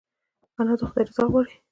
انا د خدای رضا غواړي